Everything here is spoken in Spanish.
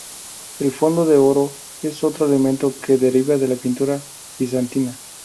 El fondo de oro es otro elemento que deriva de la pintura bizantina.